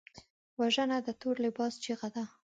وژنه د تور لباس چیغه ده